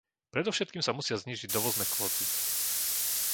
Predovšetkým sa musia znížiť dovozné kvóty.